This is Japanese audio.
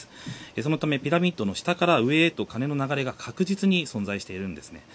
そのためピラミッドの下から上へという金の流れが確実に存在しているんですね。